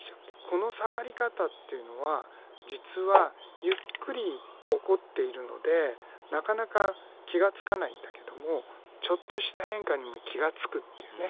この下がり方っていうのは実はゆっくり起こっているのでなかなか気がつかないんだけどもちょっとした変化にも気がつくっていうね